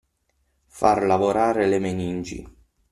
Far lavorare le meningi.